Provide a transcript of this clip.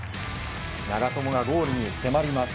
長友がゴールに迫ります。